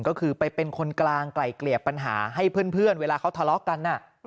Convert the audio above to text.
ก็คือไปเป็นคนกลางไกล่เกลี่ยปัญหาให้เพื่อนเวลาเขาทะเลาะกัน